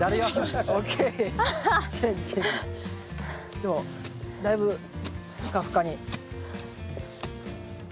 でもだいぶふかふかに。